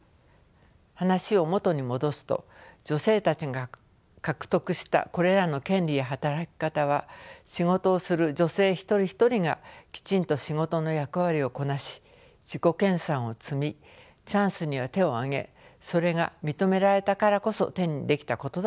話を元に戻すと女性たちが獲得したこれらの権利や働き方は仕事をする女性一人一人がきちんと仕事の役割をこなし自己研さんを積みチャンスには手を挙げそれが認められたからこそ手にできたことだと思います。